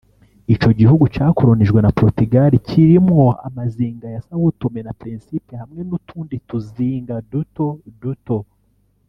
Ico gihugu cakolonijwe na Portugal kirimwo amazinga ya Sao Tome na Principe hamwe n'utundi tuzinga duto duto